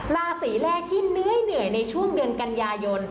ราศีแรกที่เหนื่อยในช่วงเดือนกันยายน